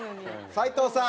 斎藤さん。